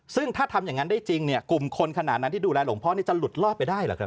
ซึ่งถ้าทำอย่างนั้นได้จริงเนี่ยกลุ่มคนขนาดนั้นที่ดูแลหลวงพ่อนี่จะหลุดรอดไปได้หรือครับ